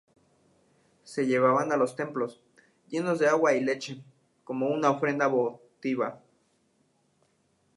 Se llevaban a los templos, llenos de agua y leche, como ofrenda votiva.